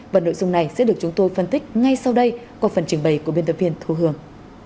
và nội dung này sẽ được chúng tôi phân tích ngay sau đây qua phần trình bày của biên tập viên thu hường